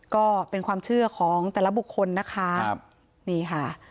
ก็เป็นความเชื่อของแต่ละบุคคลนะคะครับนี่ค่ะ